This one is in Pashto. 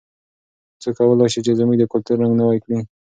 څوک کولای سي چې زموږ د کلتور رنګ نوی کړي؟